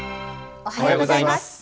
おはようございます。